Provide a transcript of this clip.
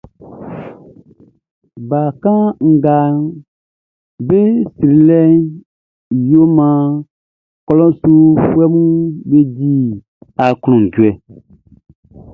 Bakannganʼm be srilɛʼn yo maan klɔʼn i nunfuɛʼm be di aklunjuɛ.